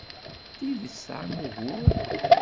D tidet tesɛam ugur.